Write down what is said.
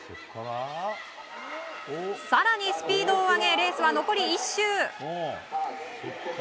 更に、スピードを上げレースは残り１周。